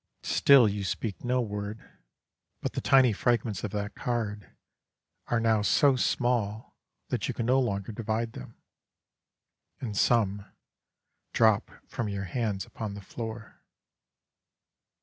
Still you speak no word, but the tiny fragments of that card are now so small that you can no longer divide them, and some drop from your hands upon the floor.